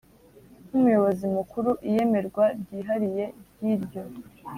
Nk umuyobozi mukuru iyemerwa ryihariye ry iryo